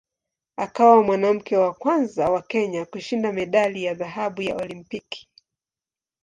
Akawa mwanamke wa kwanza wa Kenya kushinda medali ya dhahabu ya Olimpiki.